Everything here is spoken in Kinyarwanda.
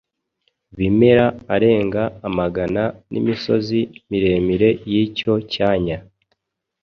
bimera arenga amagana n’imisozi miremire y’icyo cyanya